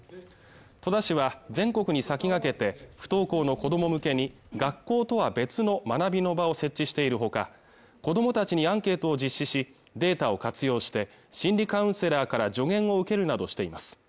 戸田市は全国に先駆けて不登校の子ども向けに学校とは別の学びの場を設置しているほか子どもたちにアンケートを実施しデータを活用して心理カウンセラーから助言を受けるなどしています